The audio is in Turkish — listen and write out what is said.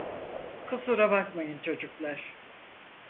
Kusura bakmayın çocuklar.